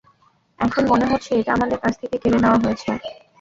এখন, মনে হচ্ছে এটা আমাদের কাছ থেকে কেড়ে নেওয়া হয়েছে।